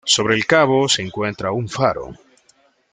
Sobre el cabo se encuentra un faro.